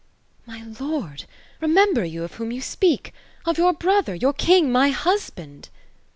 My lord ! Remember you of whom you speak ? Of your brother, your king, my husband